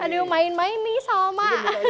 aduk main main nih sama